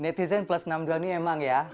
netizen plus enam puluh dua ini emang ya